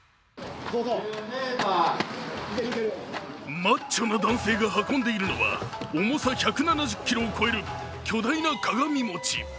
マッチョな男性が運んでいるのは重さ１７０ｋｇを超える巨大な鏡餅。